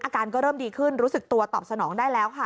อาการก็เริ่มดีขึ้นรู้สึกตัวตอบสนองได้แล้วค่ะ